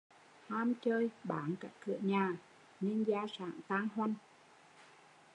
Ham chơi bán cả cửa nhà nên gia sản tan hoanh